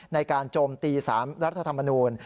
ในการโจมตีสารรัฐธรรมนูญ